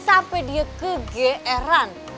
sampai dia kegeeran